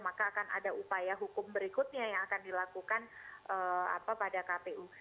maka akan ada upaya hukum berikutnya yang akan dilakukan pada kpu